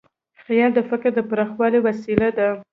خیال د فکر د پراخوالي وسیله ده.